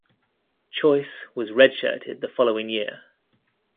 Choice was redshirted the following year.